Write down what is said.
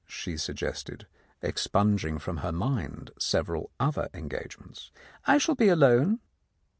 she suggested, expunging from her mind several other engagements. "I shall be alone."